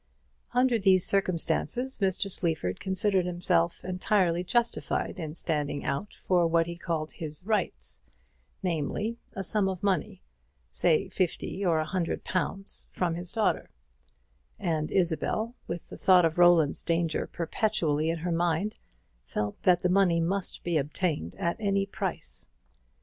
Under these circumstances, Mr. Sleaford considered himself entirely justified in standing out for what he called his rights, namely, a sum of money say fifty or a hundred pounds from his daughter; and Isabel, with the thought of Roland's danger perpetually in her mind, felt that the money must be obtained at any price.